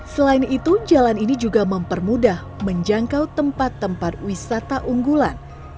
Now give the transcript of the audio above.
selain itu jalan ini juga mempermudah menjangkau tempat tempat wisata unggulan